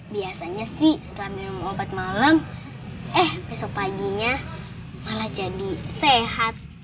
biasanya sih setelah minum obat malam eh besok paginya malah jadi sehat